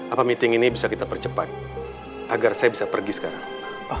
apa meeting ini bisa kita percepat agar saya bisa pergi sekarang